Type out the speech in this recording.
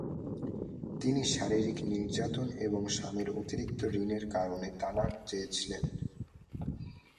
তিনি শারীরিক নির্যাতন এবং স্বামীর অতিরিক্ত ঋণের কারণে তালাক চেয়েছিলেন।